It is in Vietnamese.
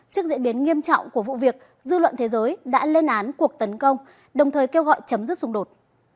trước diễn biến nghiêm trọng của vụ việc dư luận thế giới đã lên án cuộc tấn công đồng thời kêu gọi chấm dứt xung đột